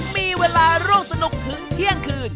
มีเวลาร่วมสนุกถึงเที่ยงคืน